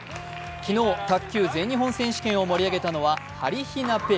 昨日、卓球全日本選手権を盛り上げたのははりひなペア。